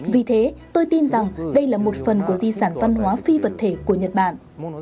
vì thế tôi tin rằng đây là một phần của di sản văn hóa phi vật thể của nhật bản